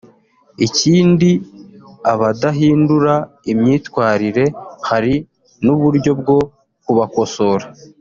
ikindi abadahindura imyitwarire hari n’uburyo bwo kubakosora